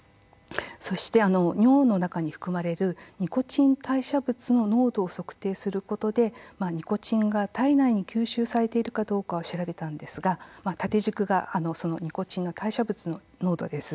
そして尿の中に含まれるニコチン代謝物の濃度を測定することでニコチンが体内に吸収されているかどうかを調べたんですが、縦軸がそのニコチンの代謝物の濃度です。